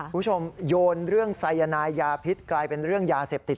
โยนเรื่องไซยานายยาพิษกลายเป็นเรื่องยาเสพติด